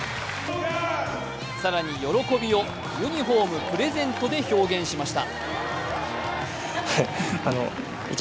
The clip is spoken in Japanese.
更に喜びをユニフォームプレゼントで表現しました。